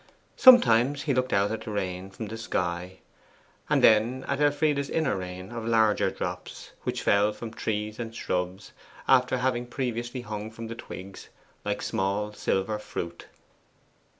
Sometimes he looked out at the rain from the sky, and then at Elfride's inner rain of larger drops, which fell from trees and shrubs, after having previously hung from the twigs like small silver fruit.